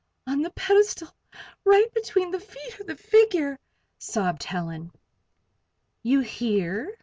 "On the pedestal, right between the feet of the figure," sobbed Helen. "You hear?"